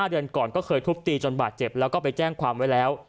เดือนก่อนก็เคยทุบตีจนบาดเจ็บแล้วก็ไปแจ้งความไว้แล้ว